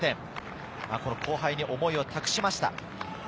後輩に思いを託しました。